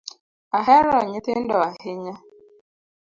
Ahero nyithindo ahinya.